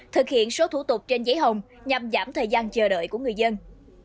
thực hiện số thủ tục trên giấy hồng nhằm giảm thời gian chờ đợi của người dân